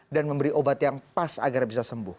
dan memberi obat yang pas agar bisa sembuh